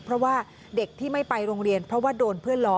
เพราะว่าเด็กที่ไม่ไปโรงเรียนเพราะว่าโดนเพื่อนล้อ